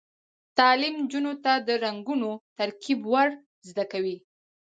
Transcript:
تعلیم نجونو ته د رنګونو ترکیب ور زده کوي.